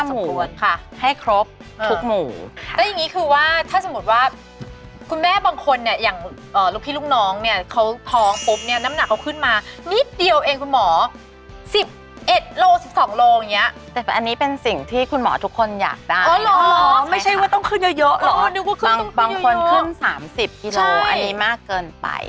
ไม่ใช่ว่าต้องขึ้นเยอะหรอกบางคนขึ้น๓๐กิโลอันนี้มากเกินไป